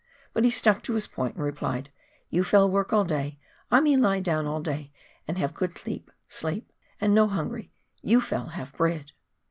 But he stuck to his point and replied, " You fell' work all day — I me Ke down all day and have good tleep (sleep) and no hungry. You fell' have bread."